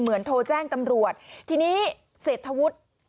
เหมือนโทรแจ้งตำรวจทีนี้เศรษฐวุธ